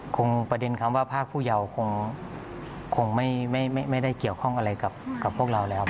ประเด็นคำว่าภาคผู้เยาวคงไม่ได้เกี่ยวข้องอะไรกับพวกเราแล้ว